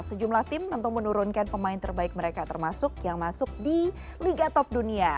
sejumlah tim tentu menurunkan pemain terbaik mereka termasuk yang masuk di liga top dunia